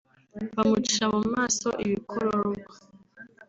bamucira mu maso ibikororwa